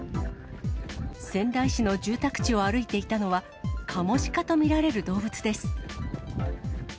仙台市の住宅地を歩いていたのは、カモシカと見られる動物です。